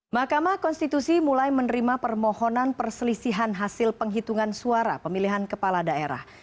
mahkamah konstitusi mulai menerima permohonan perselisihan hasil penghitungan suara pemilihan kepala daerah